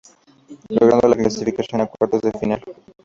Logrando la clasificación a Cuartos de Final.